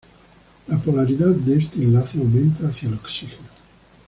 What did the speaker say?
La polaridad de este enlace aumenta hacia el oxígeno.